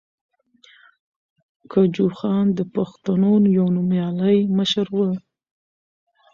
کجوخان د پښتنو یو نومیالی مشر ؤ.